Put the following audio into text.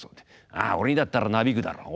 「ああ俺にだったらなびくだろう」